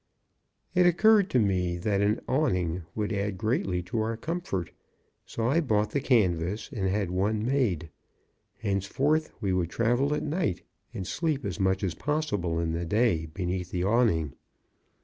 It occurred to me that an awning would add greatly to our comfort, so I bought the canvas, and had one made. Henceforth we would travel at night, and sleep as much as possible in the day beneath the awning.